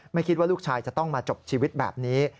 คิดว่าลูกชายจะต้องมาจบชีวิตแบบนี้